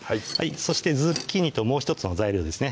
そしてズッキーニともう１つの材料ですね